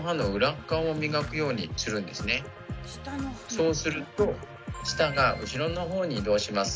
そうすると舌が後ろの方に移動します。